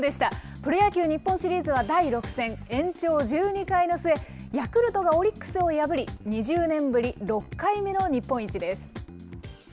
プロ野球日本シリーズは第６戦、延長１２回の末、ヤクルトがオリックスを破り、２０年ぶり６回目の日本一です。